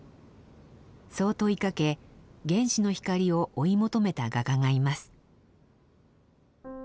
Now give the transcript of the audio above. そう問いかけ原始の光を追い求めた画家がいます。